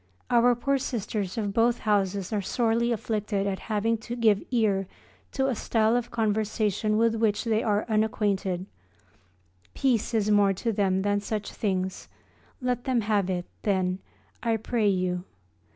Our poor Sisters of both houses are sorely afflicted at having to give ear to a style of conversation with which they are unacquainted peace is more to them than such things. Let them have it, then, I pray you.